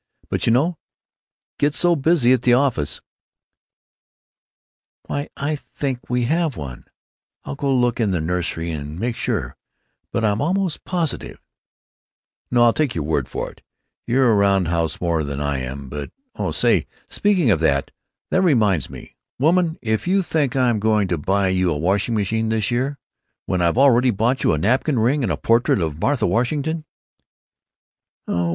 But you know—get so busy at the office——" "Why, I think we have one. I'll go look in the nursery and make sure, but I'm almost positive——" "No, I'll take your word for it. You're around the house more than I am.... But, oh, say, speaking of that, that reminds me: Woman, if you think that I'm going to buy you a washing machine this year, when I've already bought you a napkin ring and a portrait of Martha Washington——" "Oh weh!